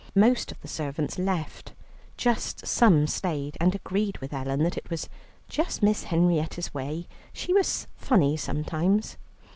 Most of the servants left, but some stayed, and agreed with Ellen that it was "just Miss Henrietta's way; she was funny sometimes."